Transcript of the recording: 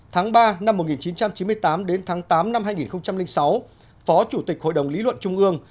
tháng ba năm một nghìn chín trăm chín mươi tám đến tháng tám năm hai nghìn sáu phó chủ tịch hội đồng lý luận trung ương